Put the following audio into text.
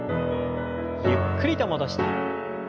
ゆっくりと戻して。